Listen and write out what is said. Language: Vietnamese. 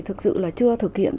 thực sự là chưa thực hiện